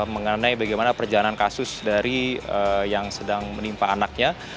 mengenai bagaimana perjalanan kasus dari yang sedang menimpa anaknya